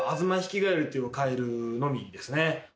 というカエルのみですね。